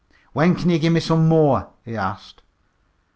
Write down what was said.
"When kin ye give me some more?" he asked.